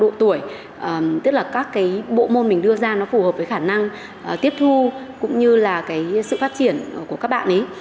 độ tuổi tức là các cái bộ môn mình đưa ra nó phù hợp với khả năng tiếp thu cũng như là cái sự phát triển của các bạn ấy